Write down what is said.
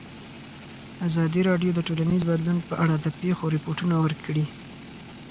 ازادي راډیو د ټولنیز بدلون په اړه د پېښو رپوټونه ورکړي.